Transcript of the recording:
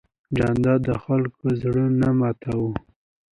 جانداد د خلکو زړه نه ماتوي.